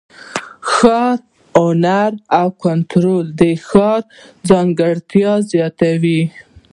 ښاري هنر او کلتور د ښار ځانګړتیا زیاتوي.